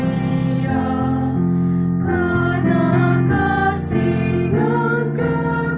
ini mendapatkan barhari akan banyak b rituals